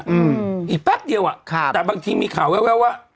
อืมอีกแป๊บเดียวอ่ะค่ะแต่บางทีมีข่าวแววแววว่า